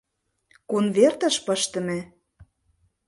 — Конвертыш пыштыме?